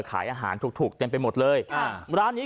ขายอาหารถูกถูกเต็มไปหมดเลยอ่าร้านนี้